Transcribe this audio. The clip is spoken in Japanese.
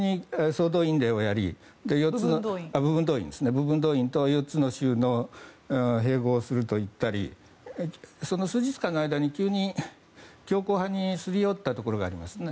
急に部分動員をやり４つの州の併合をすると言ったり数日間の間に急に強硬派にすり寄ったところがあります。